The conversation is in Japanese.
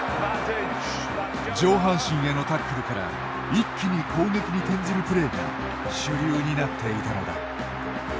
上半身へのタックルから一気に攻撃に転じるプレーが主流になっていたのだ。